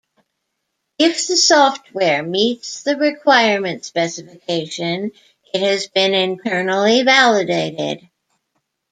If the software meets the requirement specification, it has been internally validated.